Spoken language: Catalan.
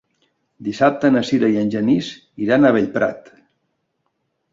Dissabte na Sira i en Genís iran a Bellprat.